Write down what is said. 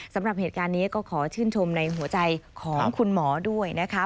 สำหรับเหตุการณ์นี้ก็ขอชื่นชมในหัวใจของคุณหมอด้วยนะคะ